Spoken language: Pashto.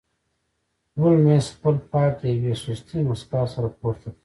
هولمز خپل پایپ د یوې سستې موسکا سره پورته کړ